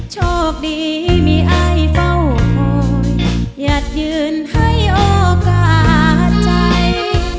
โชคดีมีอายเฝ้าคอยหยัดยืนให้โอกาสใจ